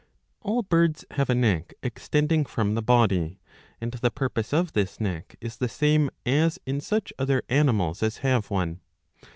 All birds have a neck extending from the body ; and the purpose of this neck is the same as in such other animals as have one.'